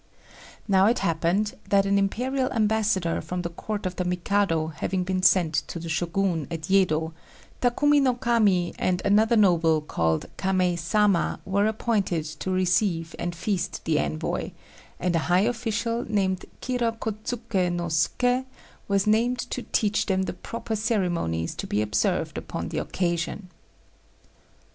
Now it happened that an Imperial ambassador from the Court of the Mikado having been sent to the Shogun at Yedo, Takumi no Kami and another noble called Kamei Sama were appointed to receive and feast the envoy; and a high official, named Kira Kôtsuké no Suké, was named to teach them the proper ceremonies to be observed upon the occasion.